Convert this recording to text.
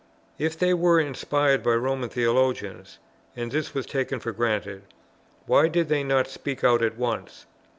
If they were inspired by Roman theologians, (and this was taken for granted,) why did they not speak out at once?